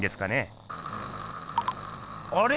あれ？